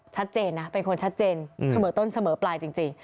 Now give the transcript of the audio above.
ชัดเจนนะเป็นคนชัดเจนเสมอต้นเสมอปลายจริง